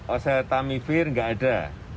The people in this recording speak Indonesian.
oseltamivir gak ada